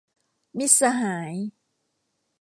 มิตรสหาย